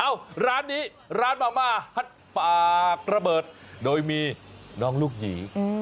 ร้านนี้ร้านมาม่าฮัดปากระเบิดโดยมีน้องลูกหยี